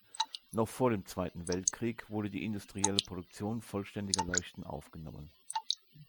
Noch vor dem Zweiten Weltkrieg wurde die industrielle Produktion vollständiger Leuchten aufgenommen.